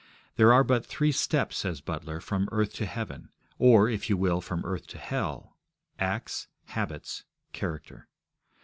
There are but three steps, says Butler, from earth to heaven, or, if you will, from earth to hell acts, habits, character.